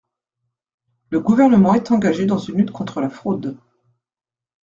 Le Gouvernement est engagé dans une lutte contre la fraude.